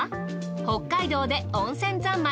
北海道で温泉三昧。